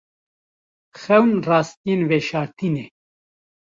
Xewn rastiyên veşartî ne.